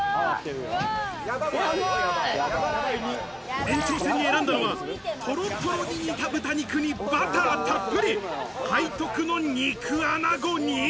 延長戦に選んだのはトロトロに煮た豚肉にバターたっぷり、背徳の肉穴子。